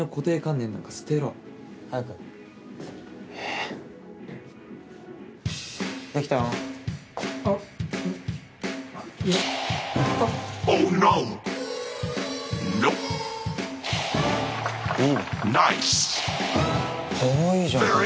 かわいいじゃんこれ。